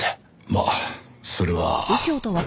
まあそれは。